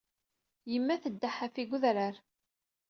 Yemma tedda ḥafi deg wedrar.